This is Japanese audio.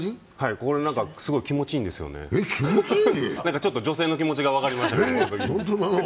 これすごい気持ちいいんですよね、女性の気持ちが分かりました。